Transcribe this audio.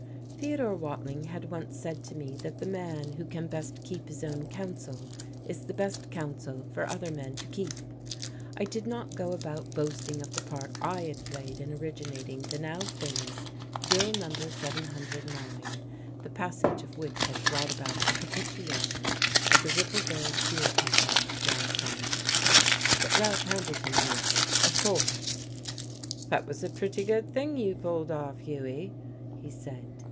Theodore Watling had once said to me that the man who can best keep his own counsel is the best counsel for other men to keep. I did not go about boasting of the part I had played in originating the now famous Bill No. 709, the passage of which had brought about the capitulation of the Ribblevale Steel Company to our clients. But Ralph Hambleton knew of it, of course. "That was a pretty good thing you pulled off, Hughie," he said.